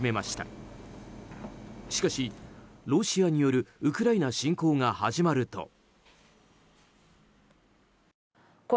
しかし、ロシアによるウクライナ侵攻が始まると。